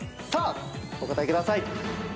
さあお答えください。